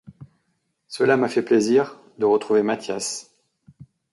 Cela m’a fait plaisir, de retrouver Mathias.